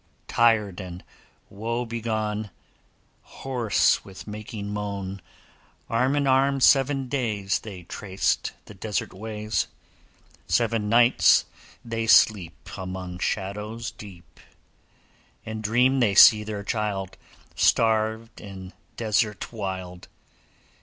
Tired and woe begone, Hoarse with making moan, Arm in arm, seven days They traced the desert ways. Seven nights they sleep Among shadows deep, And dream they see their child Starved in desert wild.